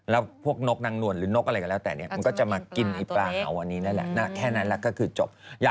แล้วพวกนกนางหน่วนหรือนกอะไรก็แล้วแต่นี้มันก็จะมากินปลาเหล่านี้แหละ